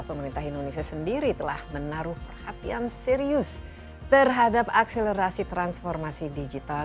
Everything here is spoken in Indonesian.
pemerintah indonesia sendiri telah menaruh perhatian serius terhadap akselerasi transformasi digital